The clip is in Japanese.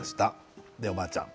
おばあちゃん